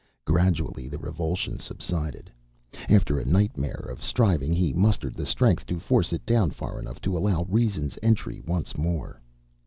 Gradually the revulsion subsided. After a nightmare of striving he mustered the strength to force it down far enough to allow reason's entry once more.